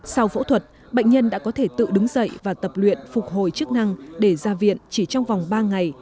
sau phẫu thuật bệnh nhân đã có thể tự đứng dậy và tập luyện phục hồi chức năng để ra viện chỉ trong vòng ba ngày